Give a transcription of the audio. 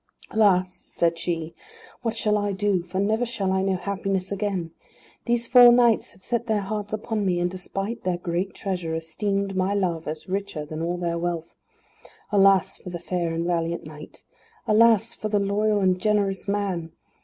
"Alas," said she, "what shall I do, for never shall I know happiness again. These four knights had set their hearts upon me, and despite their great treasure, esteemed my love as richer than all their wealth. Alas, for the fair and valiant knight! Alas, for the loyal and generous man!